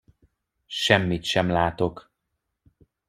Semmit sem látok.